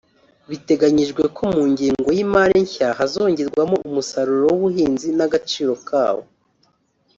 Biteganyijwe ko mu ngengo y’imari nshya hazongerwa umusaruro w’ubuhinzi n’agaciro kawo